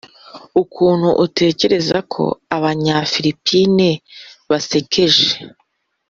ukuntu utekereza ko abanyafilipine basekeje.